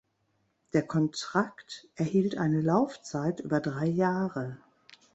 Der Kontrakt erhielt eine Laufzeit über drei Jahre.